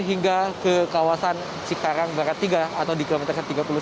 hingga ke kawasan cikarang barat tiga atau di kilometer tiga puluh sembilan